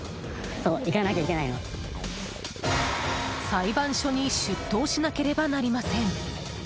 裁判所に出頭しなければなりません。